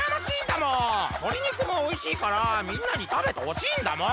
とりにくもおいしいからみんなにたべてほしいんだもん！